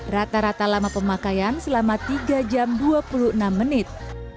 rata rata lama pemakaian selama tiga jam dua puluh enam menit